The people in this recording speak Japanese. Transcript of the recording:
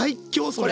それ。